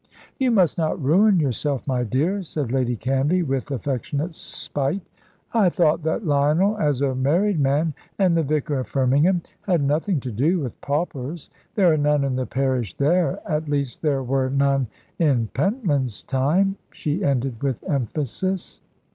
"You must not ruin yourself, my dear," said Lady Canvey, with affectionate spite. "I thought that Lionel, as a married man, and the Vicar of Firmingham, had nothing to do with paupers. There are none in the parish there at least, there were none in Pentland's time," she ended with emphasis.